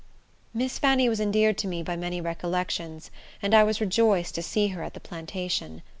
Miss Fanny was endeared to me by many recollections, and I was rejoiced to see her at the plantation.